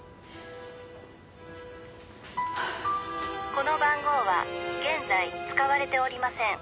「この番号は現在使われておりません」